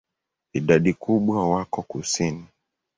Idadi kubwa wako kusini.